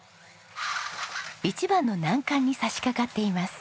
一番の難関に差しかかっています。